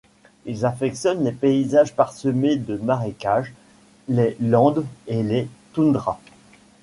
Ils affectionnent les paysages parsemés de marécages, les landes et les toundras.